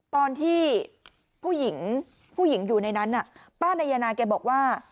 ตอนที่ผู้หญิงผู้หญิงอยู่ในนั้นป้านายนาแกบอกว่า